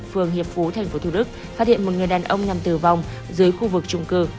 phường hiệp phú tp thủ đức phát hiện một người đàn ông nhằm tử vong dưới khu vực trung cư